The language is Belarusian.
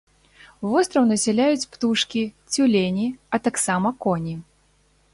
Востраў насяляюць птушкі, цюлені, а таксама коні.